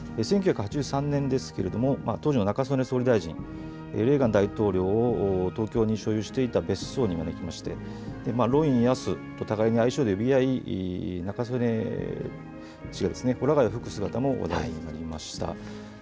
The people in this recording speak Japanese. １９８３年ですけれども当時の中曽根総理大臣、レーガン大統領を東京に所有していた別荘に招きましてロン、ヤスと互いに愛称で呼び合い中曽根氏がほら貝を吹く姿も話題になりました。